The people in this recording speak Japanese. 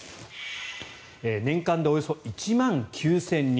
年間でおよそ１万９０００人。